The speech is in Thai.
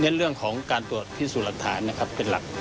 เรื่องของการตรวจพิสูจน์หลักฐานนะครับเป็นหลัก